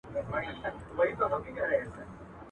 خپلي لاسته راوړنې به د نورو لپاره هڅونه جوړوئ.